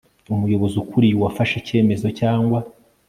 umuyobozi ukuriye uwafashe icyemezo cyangwa